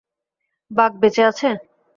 বাঘ বেঁচে আছে?